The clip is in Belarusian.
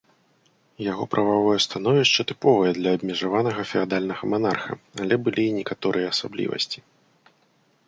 Яго прававое становішча тыповае для абмежаванага феадальнага манарха, але былі і некаторыя асаблівасці.